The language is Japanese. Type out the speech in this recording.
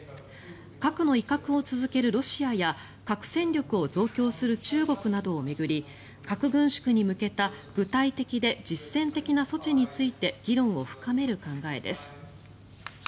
核の威嚇を続けるロシアや核戦力を増強する中国などを巡り核軍縮に向けた具体的で実践的な措置について議論を深める考えです。